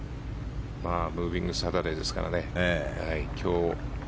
ムービングサタデーですからね。